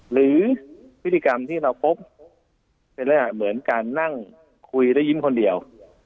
หรือพฤติกรรมที่เราพบเป็นลักษณะเหมือนการนั่งคุยและยิ้มคนเดียว